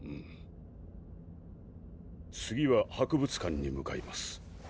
次は博物館に向かいます